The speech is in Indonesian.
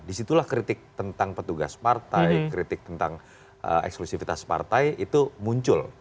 disitulah kritik tentang petugas partai kritik tentang eksklusifitas partai itu muncul